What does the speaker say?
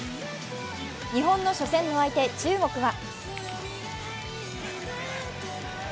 日本の初戦の相手、中国は。